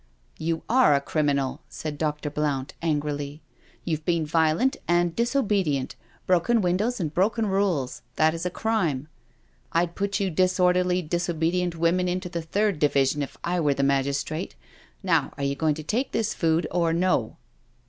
'*" You are a criminal," said Dr. Blount angrily. " You've been violent and disobedient— broken windows and broken rules— that is a crime. Td put you dis orderly, disobedient women into the third division, if I were the magistrate. Now, are you going to take this food or no?"